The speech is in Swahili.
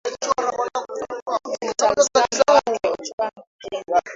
ni mtazamo wake ojwang kina